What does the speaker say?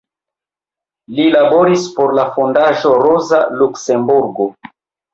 Li laboris por la Fondaĵo Roza Luksemburgo.